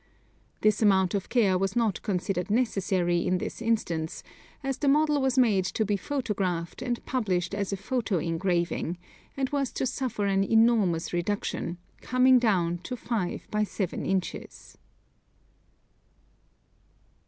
This amount of care was not considered necessary in this instance, as the model was made to be photographed and published as a photo engraving, and was to suffer an enormous reduction — coming down to five by seven inches.